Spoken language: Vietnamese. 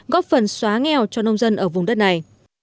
góp phần xóa nghèo cho nông dân ở vùng đất này